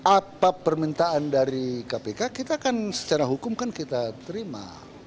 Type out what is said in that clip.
apa permintaan dari kpk kita kan secara hukum kan kita terima